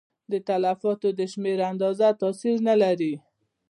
د تلفاتو د شمېر اندازه تاثیر نه لري.